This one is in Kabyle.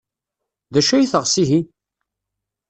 D acu ay teɣs ihi?